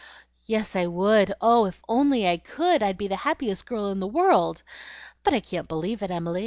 "Yes, I would! oh, if I only COULD, I'd be the happiest girl in the world! But I can't believe it, Emily.